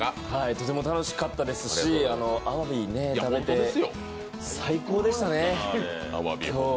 とても楽しかったですし、あわび食べて、最高でしたね、今日。